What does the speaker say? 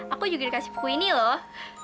aku juga dikasih buku ini loh